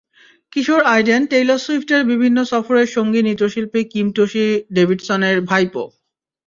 কিশোর Aiden Taylor সুইফটের বিভিন্ন সফরের সঙ্গী নৃত্যশিল্পী কিম টোশি ডেভিডসনের ভাইপো।